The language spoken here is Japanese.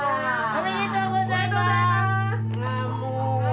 おめでとうございます！